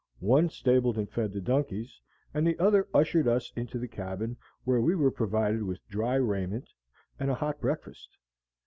One stabled and fed the donkeys, and the other ushered us into the cabin where we were provided with dry raiment and a hot breakfast.